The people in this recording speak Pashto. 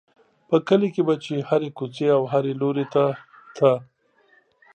په کلي کې به چې هرې کوڅې او هر لوري ته ته.